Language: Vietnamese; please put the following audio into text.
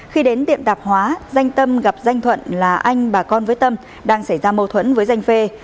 khi đến tiệm tạp hóa danh tâm gặp danh thuận là anh bà con với tâm đang xảy ra mâu thuẫn với danh phê